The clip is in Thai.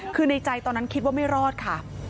คือในใจตอนนั้นคิดว่าไม่รอดค่ะ